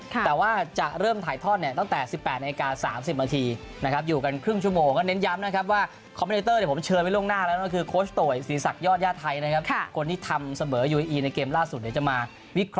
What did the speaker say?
แต่ว่าจะเริ่มถ่ายทอดเนี่ยตั้งแต่๑๘นาที๓๐นาทีนะครับ